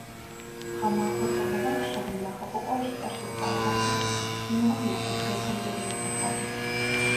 Гъэмахуэ цӀывыгъуэм щыгъын нэхъыфӀыӀуэу сиӀэр щыстӀагъэрти, си мыгъуэм я куэбжэпэмкӀэ зрезгъэхьэкӀырт.